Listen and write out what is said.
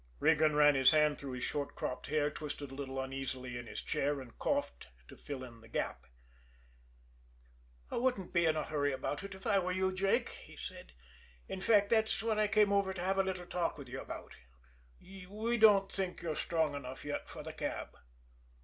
Regan ran his hand through his short cropped hair, twisted a little uneasily in his chair and coughed to fill in the gap. "I wouldn't be in a hurry about it, if I were you, Jake," he said. "In fact, that's what I came over to have a little talk with you about. We don't think you're strong enough yet for the cab."